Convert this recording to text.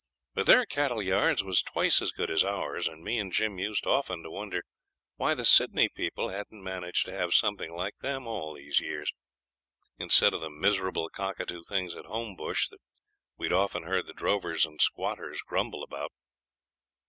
But their cattle yards was twice as good as ours, and me and Jim used often to wonder why the Sydney people hadn't managed to have something like them all these years, instead of the miserable cockatoo things at Homebush that we'd often heard the drovers and squatters grumble about.